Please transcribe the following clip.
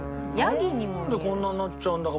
なんでこんなになっちゃうんだか